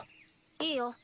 いいよ。